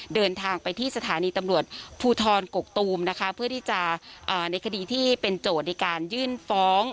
เดินทางไปที่สถานีตำรวจภูทรกกตูมนะคะเพื่อที่จะในคดีที่เป็นโจทย์ในการยื่นฟ้อง